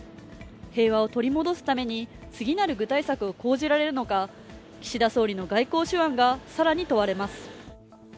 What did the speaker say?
平和を取り戻すために次なる具体策を講じられるのか、岸田総理の外交手腕が更に問われます。